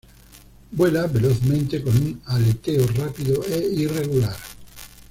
Vuela velozmente, con un aleteo rápido e irregular.